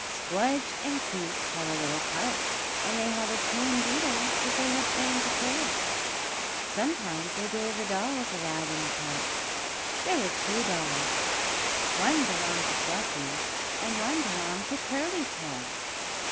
Squdge and Queek had a little cart, and they had a tame beetle that they had trained to pull it. Sometimes they gave the dolls a ride in the cart. There were two dolls; one belonged to Fluffy, and one belonged to Curly Tail.